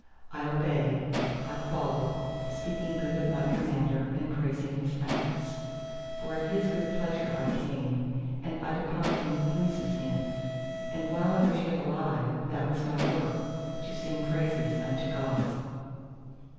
I obey, I follow—speaking good of my Commander, and praising His acts. For at His good pleasure I came; and I depart when it pleases Him; and while I was yet alive that was my work, to sing praises unto God!